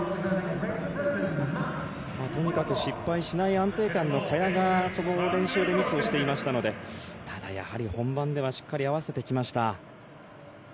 とにかく失敗しない安定感の萱がその練習でミスをしていましたのでただ、やはり本番ではしっかり合わせてきました。